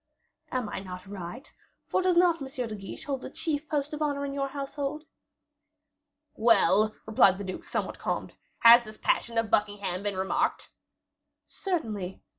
"Am I not right? for does not M. de Guiche hold the chief post of honor in your household?" "Well," replied the duke, somewhat calmed, "had this passion of Buckingham been remarked?" "Certainly."